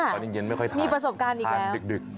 พอเย็นไม่ค่อยทันทานดึกชอบทานดึก